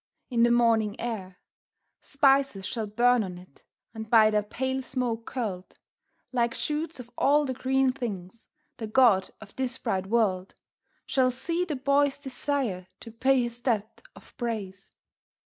In the morning air, Spices shall burn on it, and by their pale smoke curled, Like shoots of all the Green Things, the God of this bright World Shall see the Boy's desire to pay his debt of praise.